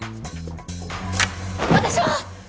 私は！